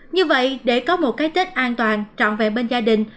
như vậy để có một cái tết an toàn trọn vẹn bên gia đình